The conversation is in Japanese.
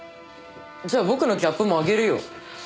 じゃあ僕のキャップもあげるよ。